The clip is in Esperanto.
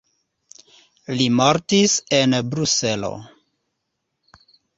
Li mortis en Bruselo.